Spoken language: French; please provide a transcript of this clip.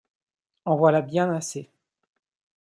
En voilà bien assez.